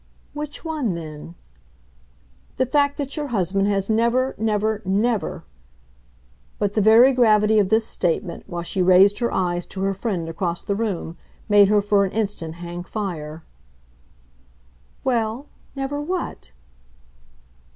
"Which one, then?" "The fact that your husband has never, never, never !" But the very gravity of this statement, while she raised her eyes to her friend across the room, made her for an instant hang fire. "Well, never what?"